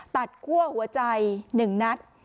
ตัดกลัวหัวใจ๑นัท